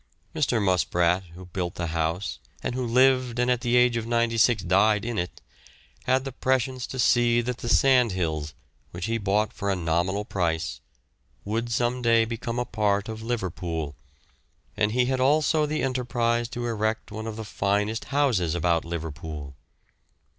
Mr. Muspratt, who built the house, and who lived and at the age of 96 died in it, had the prescience to see that the sandhills, which he bought for a nominal price, would some day become a part of Liverpool, and he had also the enterprise to erect one of the finest houses about Liverpool.